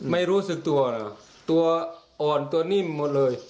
ไม่รู้สึกตัวเหรอตัวอ่อนตัวนิ่มหมดเลย